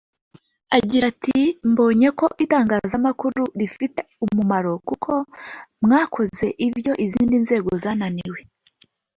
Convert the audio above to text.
agira ati “Mbonye ko itangazamakuru rifite umumaro kuko mwakoze ibyo izindi nzego zananiwe